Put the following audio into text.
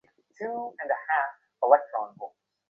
সবাই সচেতন থাকলে এবং আইন মেনে চললে দুর্ঘটনা কমিয়ে আনা সম্ভব।